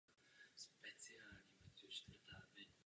Kratochvíl se stal kapitánem klubu.